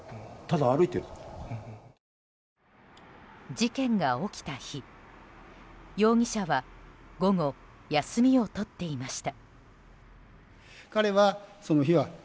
事件が起きた日、容疑者は午後休みを取っていました。